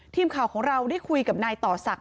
ทีมข่าวของเราได้คุยกับนายต่อศักดิ